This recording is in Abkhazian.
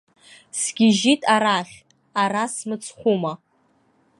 Сгьежьит арахь, ара смыцхәума.